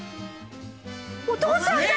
お父さんだ！